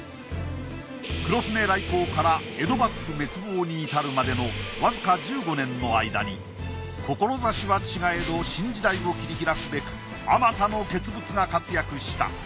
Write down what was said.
黒船来航から江戸幕府滅亡に至るまでのわずか１５年の間に志は違えど新時代を切り開くべくあまたの傑物が活躍した。